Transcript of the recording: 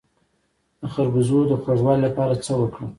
د خربوزو د خوږوالي لپاره څه وکړم؟